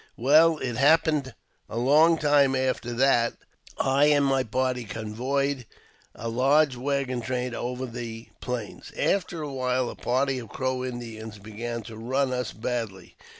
]'* Well, it happened a long time after that I and my party convoyed a large waggon train over the Plains. After a while a party of Crow Indians began to * run ' us badly.